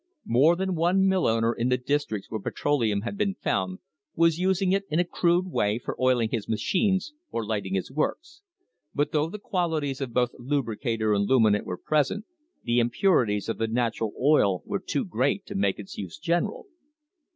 More than one mill owner in the districts where petroleum had been found was using it in a crude way for oiling his machines or lighting his works, but though the qualities of both lubricator and lumi nant were present, the impurities of the natural oil were too great to make its use general.